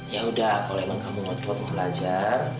ya udah kalau emang kamu mau cuat mau belajar